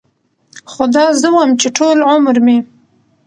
خو دا زه وم چې ټول عمر مې